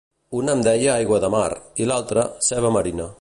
Un em deia aigua de mar i, l'altre, ceba marina.